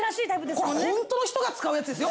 これホントの人が使うやつですよ。